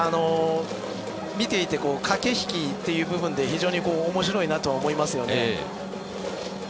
見ていて駆け引きという部分で非常におもしろいと思います。